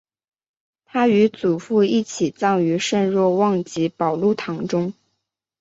他与祖父一起葬于圣若望及保禄堂中。